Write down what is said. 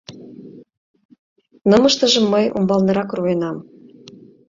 — Нымыштыжым мый умбалнырак руэнам.